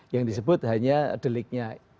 yang disebut hanya deliknya